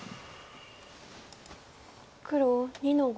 黒２の五。